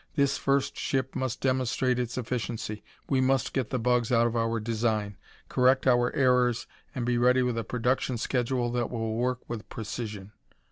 This first ship must demonstrate its efficiency; we must get the 'bugs' out of our design; correct our errors and be ready with a production schedule that will work with precision."